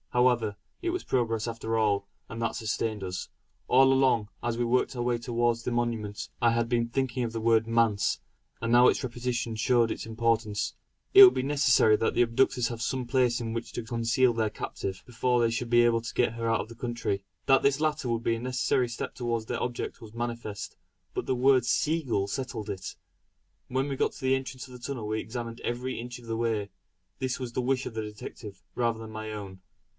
However, it was progress after all; and that sustained us. All along, as we worked our way towards the monument, I had been thinking of the word "manse;" and now its repetition showed its importance. It would be necessary that the abductors have some place in which to conceal their captive, before they should be able to get her out of the country. That this latter would be a necessary step towards their object was manifest; but the word Seagull settled it. When we got to the entrance of the tunnel we examined every inch of the way; this was the wish of the detective rather than my own.